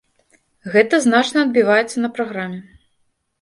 Гэта значна адбіваецца на праграме.